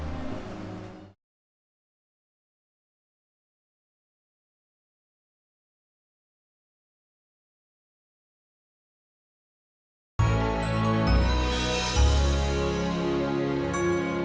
sampai jumpa di video selanjutnya